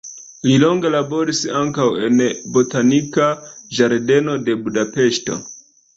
Li longe laboris ankaŭ en botanika ĝardeno de Budapeŝto.